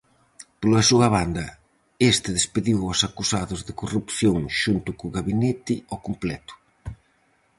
Pola súa banda, este despediu aos acusados de corrupción xunto co gabinete ao completo.